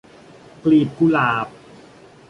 กลีบกุหลาบ